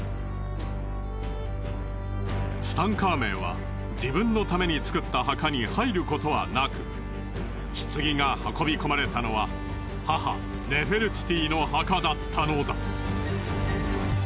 ツタンカーメンは自分のために造った墓に入ることはなく棺が運び込まれたのは母ネフェルティティの墓だったのだ。